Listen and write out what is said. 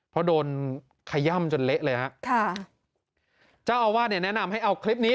เพราะโดนขย่ำจนเละเลยฮะค่ะเจ้าอาวาสเนี่ยแนะนำให้เอาคลิปนี้